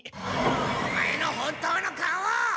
オマエの本当の顔を見せろ！